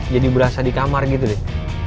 jadi berasa di kamar gitu deh